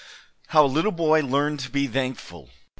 How a little boy learned to be thankful.